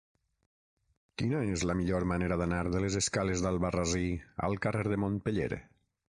Quina és la millor manera d'anar de les escales d'Albarrasí al carrer de Montpeller?